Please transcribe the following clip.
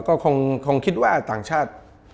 ก็คงคิดว่าต่างชาติ